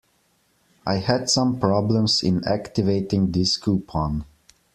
I had some problems in activating this coupon.